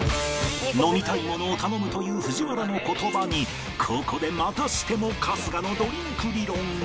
飲みたいものを頼むという藤原の言葉にここでまたしても春日のドリンク理論が。